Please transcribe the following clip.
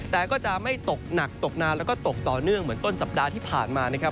แต่ก็จะไม่ตกหนักตกนานแล้วก็ตกต่อเนื่องเหมือนต้นสัปดาห์ที่ผ่านมานะครับ